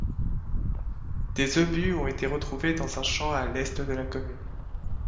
Des obus ont été retrouvés dans un champ à l'est de la commune.